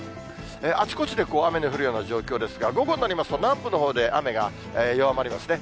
あちこちで雨の降るような状況ですが、午後になりますと、南部のほうで雨が弱まりますね。